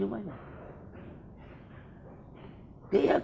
tidak yakin di dalam saya harus